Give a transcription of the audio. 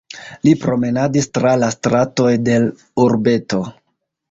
Li promenadis tra la stratoj de l'urbeto.